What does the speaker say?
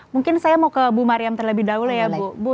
mungkin saya mau ke bu mariam terlebih dahulu ya bu